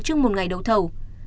trước một ngày đấu thầu